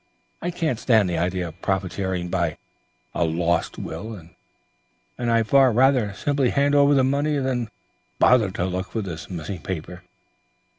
I can't stand the idea of profiting by a lost will, and I'd far rather simply hand over the money than bother to look for this missing paper."